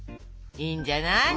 いいんじゃない。